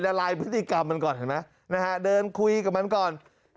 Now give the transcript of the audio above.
ละลายพฤติกรรมมันก่อนเห็นไหมนะฮะเดินคุยกับมันก่อน